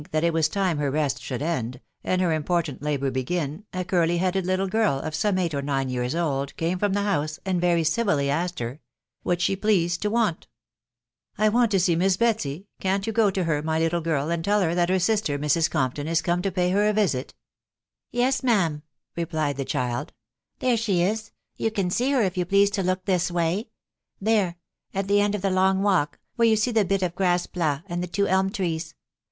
that it was time ner Test should end, and her important labour begin, a curly headed little girl, of some eight or nine years old, came from the house, and very civilly asked her "What she pleased to want*'* " I want to sea* Miss Betsy ..♦• can't you go to her, my Jftttegjrl and teH her that her sister,' Mrs. Compton, it corns to pay her a visit ? W^ »9 m WIDOW BABNABT. 11 " Yes, ma'am," replied the child, " them she is, you can see her, if you please to look this way ...• there .... at the end of the long walk, where you see the bit of grass plat and the two elm trees.